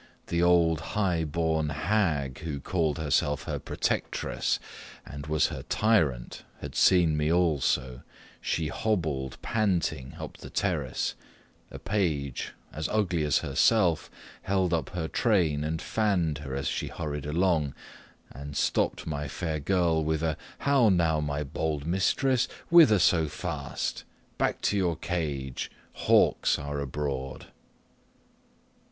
The old high born hag, who called herself her protectress, and was her tyrant, had seen me, also; she hobbled, panting, up the terrace; a page, as ugly as herself, held up her train, and fanned her as she hurried along, and stopped my fair girl with a "How, now, my bold mistress? whither so fast? Back to your cage hawks are abroad!"